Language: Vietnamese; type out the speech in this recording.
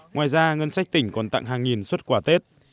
ngoài ra ngân sách tỉnh còn tặng hàng nghìn xuất quà tết